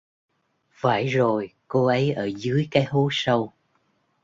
Phải rồi cô ấy ở dưới cái hố sâu